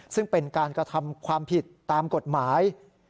ซึ่งเป็นการกระทำความผิดตามกฎหมาย